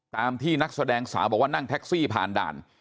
ตามที่นักแสดงสาวบอกว่านั่งแท็กซี่ผ่านด่าน